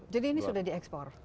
jadi ini sudah di ekspor